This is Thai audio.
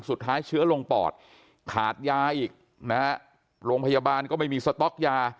สุดท้ายเชื้อลงปอดขาดยาอีกนะครับโรงพยาบาลก็ไม่มีสต๊อกยา